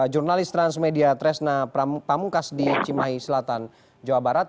jurnalis transmedia tresna pamungkas di cimahi selatan jawa barat